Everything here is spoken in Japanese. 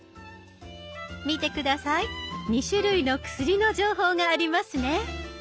見て下さい２種類の薬の情報がありますね。